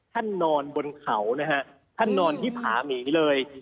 ท่านนอนบนเขานะครับท่านนอนที่ผามีนี้เลย